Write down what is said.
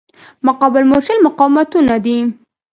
مقابل مورچل مقاومتونه دي.